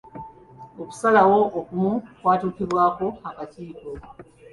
Okusalawo okumu kwatuukibwako akakiiko.